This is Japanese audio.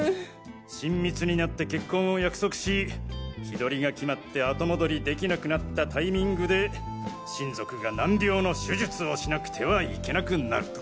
親密になって結婚を約束し日取りが決まって後戻りできなくなったタイミングで親族が難病の手術をしなくてはいけなくなると。